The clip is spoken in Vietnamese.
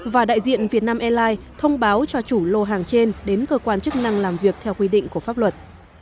và đại diện việt nam airlines thông báo cho chủ lô hàng trên đến cơ quan chức năng làm việc theo quy định của pháp luật